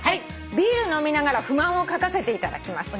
「ビール飲みながら不満を書かせていただきます」